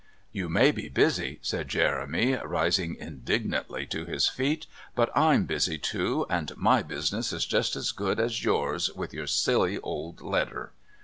"You may be busy," said Jeremy, rising indignantly to his feet, "but I'm busy too, and my business is just as good as yours with your silly old letter."